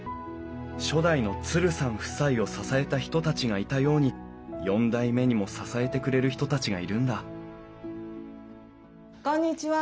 初代のツルさん夫妻を支えた人たちがいたように４代目にも支えてくれる人たちがいるんだこんにちは。